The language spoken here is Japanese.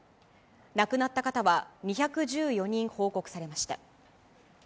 亡くなった方は２１４人報告されました。